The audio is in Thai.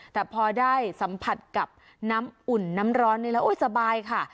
แต่พอได้สัมผัสกับน้ำอุ่นน้ำร้อนนี้แล้วโอ๊ยสบายค่ะ